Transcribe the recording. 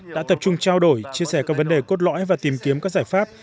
đã tập trung trao đổi chia sẻ các vấn đề cốt lõi và tìm kiếm các giải pháp